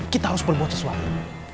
kita harus berbuat sesuatu